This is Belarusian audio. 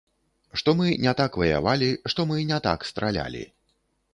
Што мы не так ваявалі, што мы не так стралялі.